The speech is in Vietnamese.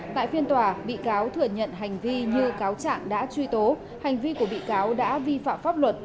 tại phiên tòa bị cáo thừa nhận hành vi như cáo trạng đã truy tố hành vi của bị cáo đã vi phạm pháp luật